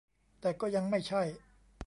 แต่ก็ยังไม่ใช่